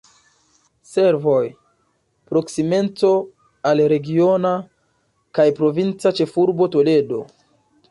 Servoj: proksimeco al regiona kaj provinca ĉefurbo Toledo.